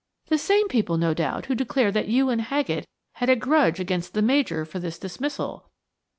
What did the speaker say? "The same people, no doubt, who declare that you and Haggett had a grudge against the Major for this dismissal."